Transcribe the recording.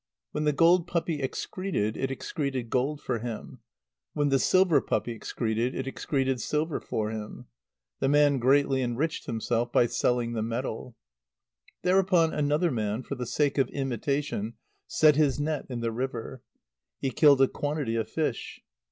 When the gold puppy excreted, it excreted gold for him. When the silver puppy excreted, it excreted silver for him. The man greatly enriched himself by selling the metal. Thereupon another man, for the sake of imitation, set his net in the river. He killed a quantity of fish.